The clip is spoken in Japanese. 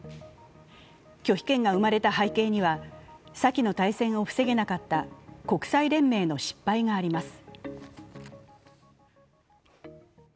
拒否権が生まれた背景には先の対戦を防げなかった国際連盟の失敗があります。